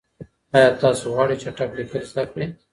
آیا تاسو غواړئ چټک لیکل زده کړئ؟